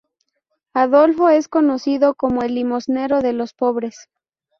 Adolfo es conocido como el "limosnero de los pobres".